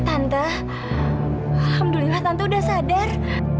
tante alhamdulillah tante udah sadar